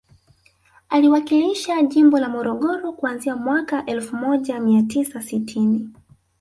Aliwakilisha jimbo ya Morogoro kuanzia mwaka elfu moja mia tisa sitini